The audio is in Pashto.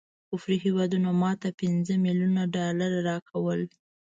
کفري هیواد ماته پنځه ملیونه ډالره راکول.